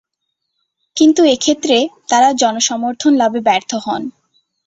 কিন্তু এক্ষেত্রে তারা জনসমর্থন লাভে ব্যর্থ হন।